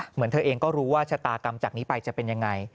เหมือนเธอเองก็รู้ว่าชะตากรรมจากนี้ไปจะเป็นยังไง